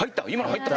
入った？